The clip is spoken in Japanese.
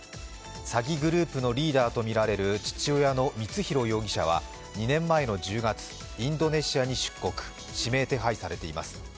詐欺グループのリーダーとみられる父親の光弘容疑者は２年前の１０月、インドネシアに出国、指名手配されています。